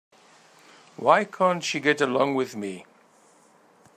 Why can't she get along with me?